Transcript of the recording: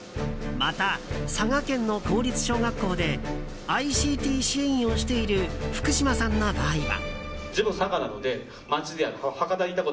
また、佐賀県の公立小学校でＩＣＴ支援員をしている福島さんの場合は。